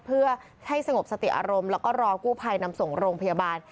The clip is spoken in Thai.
เพื่อให้สงบสติอารมณ์แล้วก็รอกู้ภัยนำส่งโรงพยาบาล